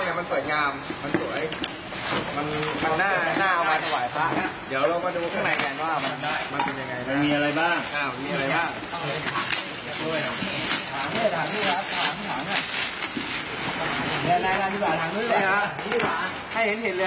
อยากจะมียาทันใจเนี่ยไม่มีอะไรเลยเนี่ย